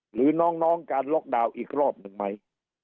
หรือน้องการล็อกดาวน์อีกรอบหนึ่งไหม